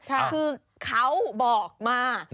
คือเขาบอกมา